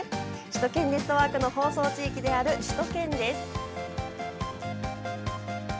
「首都圏ネットワーク」の放送地域である、「首都圏」です。